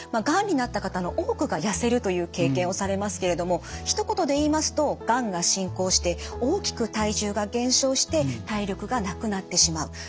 がんになった方の多くがやせるという経験をされますけれどもひと言で言いますとがんが進行して大きく体重が減少して体力がなくなってしまう。